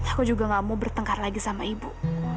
aku juga gak mau bertengkar lagi sama ibu